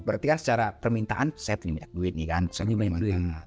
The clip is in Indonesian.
berarti secara permintaan saya minta banyak duit